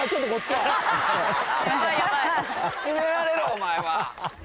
締められろお前は。